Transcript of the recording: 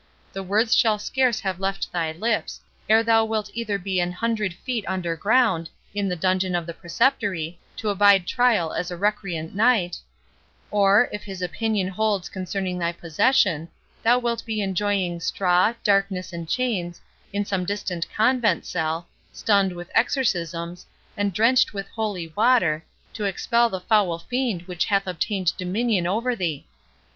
The words shall scarce have left thy lips, ere thou wilt either be an hundred feet under ground, in the dungeon of the Preceptory, to abide trial as a recreant knight; or, if his opinion holds concerning thy possession, thou wilt be enjoying straw, darkness, and chains, in some distant convent cell, stunned with exorcisms, and drenched with holy water, to expel the foul fiend which hath obtained dominion over thee.